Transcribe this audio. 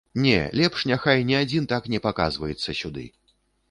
Не, лепш няхай ні адзін так не паказваецца сюды.